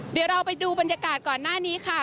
เดี๋ยวเราไปดูบรรยากาศก่อนหน้านี้ค่ะ